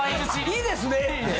いいですねって。